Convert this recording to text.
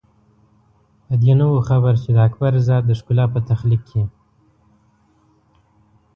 په دې نه وو خبر چې د اکبر ذات د ښکلا په تخلیق کې.